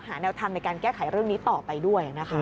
แนวทางในการแก้ไขเรื่องนี้ต่อไปด้วยนะคะ